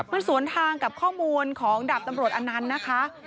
มันสวนทางกับข้อมูลของดาบตำรวจอนันต์นะคะ